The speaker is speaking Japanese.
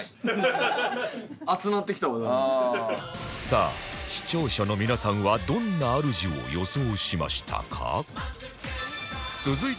さあ視聴者の皆さんはどんな主を予想しましたか？